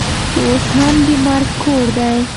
اوس هم د مرګ کور دی.